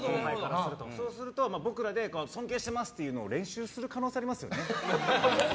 そうすると僕らで尊敬していますっていうのを練習する可能性がありますよね。